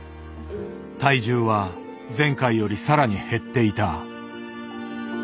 体重は前回より更に減っていた。